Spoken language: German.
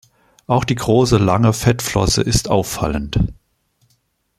Auch die große, lange Fettflosse ist auffallend.